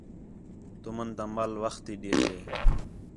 تُمن تا مال وخت تی ݙیجے